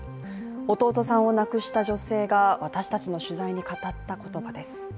弟さんを亡くした女性が私たちの取材に語った言葉です。